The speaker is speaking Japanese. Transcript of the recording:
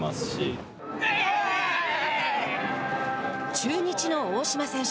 中日の大島選手。